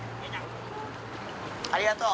ありがとう。